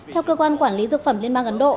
theo cơ quan quản lý dược phẩm liên bang ấn độ